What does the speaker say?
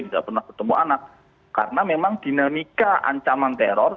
tidak pernah ketemu anak karena memang dinamika ancaman teror